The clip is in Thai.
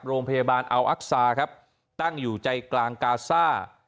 โรงพยาบาลอัลอักซาครับตั้งอยู่ใจกลางกาซ่า